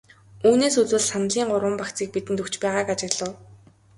Үүнээс үзвэл саналын гурван багцыг бидэнд өгч байгааг ажиглав.